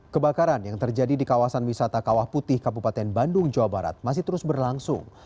kebakaran yang terjadi di kawasan wisata kawah putih kabupaten bandung jawa barat masih terus berlangsung